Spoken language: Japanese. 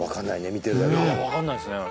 見てるだけじゃ分かんないっすね